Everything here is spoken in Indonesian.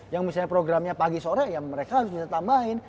yang misalnya programnya pagi sore ya mereka harus bisa tambahin